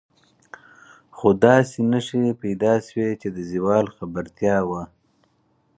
خو داسې نښې پیدا شوې چې د زوال خبرتیا وه.